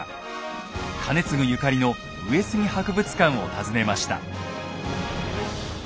兼続ゆかりの上杉博物館を訪ねました。